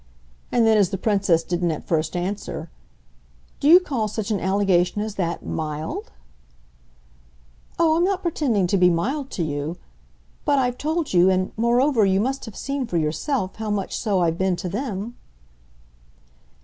And then as the Princess didn't at first answer: "Do you call such an allegation as that 'mild'?" "Oh, I'm not pretending to be mild to you. But I've told you, and moreover you must have seen for yourself, how much so I've been to them."